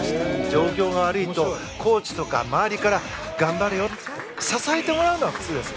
状況が悪いとコーチとか周りから頑張れよと支えてもらうのが普通です。